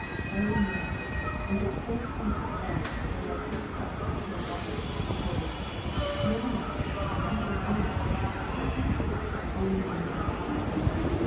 Oh, no ! it is cold comfort then, as our feet touch the chill waters, to be told, " Xever mind ! Be in earnest ! Take comfort ! Only be in earnest